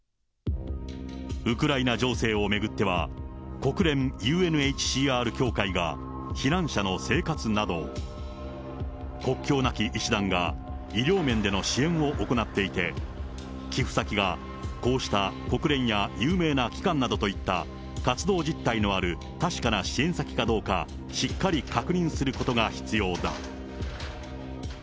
ウクライナ情勢を巡っては、国連ＵＮＨＣＲ協会が避難者の生活などを、国境なき医師団が医療面での支援を行っていて、寄付先がこうした国連や有名な機関などといった活動実態のある確かな支援先かどうか、しっかり確認することが必要だ。